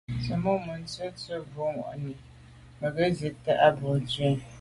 Tsə̀mô' nǔm zí'də́ tɔ̌ bû'ŋwànì mə̀ mə̀ ŋgə́ zí'də́ á bû jû tswì.